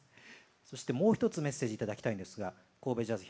そしてもう一つメッセージ頂きたいんですが神戸ジャズ